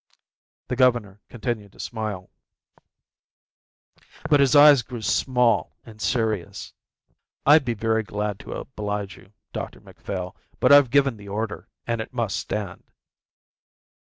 The governor continued to smile, but his eyes grew small and serious. "I'd be very glad to oblige you, Dr Macphail, but I've given the order and it must stand."